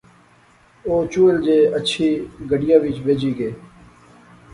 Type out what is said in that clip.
او چول جئے اچھی گڈیا وچ بہجی گئے